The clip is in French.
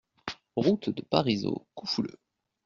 Route de Parisot, Coufouleux